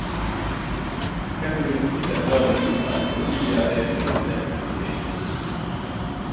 Catherine Zeta-Jones ist als Olivia de Havilland zu sehen.